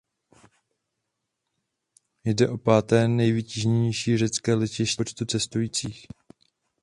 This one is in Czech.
Jde o páté nejvytíženější řecké letiště co do počtu cestujících.